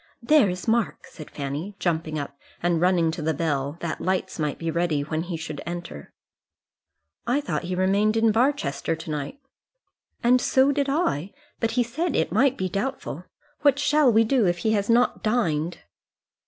"There is Mark," said Fanny, jumping up and running to the bell, that lights might be ready when he should enter. "I thought he remained in Barchester to night." "And so did I; but he said it might be doubtful. What shall we do if he has not dined?"